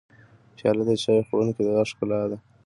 پیاله د چای خوړونکي د لاس ښکلا ده.